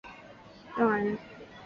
邓琬人。